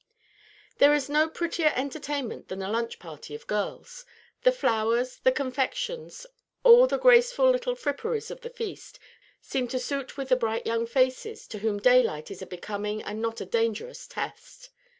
There is no prettier entertainment than a lunch party of girls. The flowers, the confections, all the graceful little fripperies of the feast, seem to suit with the bright young faces, to whom daylight is a becoming and not a dangerous test.